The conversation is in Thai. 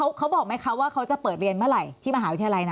เขาบอกไหมคะว่าเขาจะเปิดเรียนเมื่อไหร่ที่มหาวิทยาลัยนะ